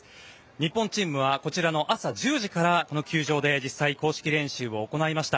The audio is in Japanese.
日本チームはこちらの朝１０時から球場で実際、公式練習を行いました。